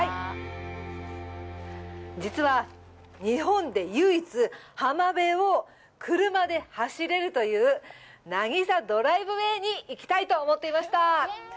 実は、日本で唯一浜辺を車で走れるというなぎさドライブウェイに行きたいと思っていました。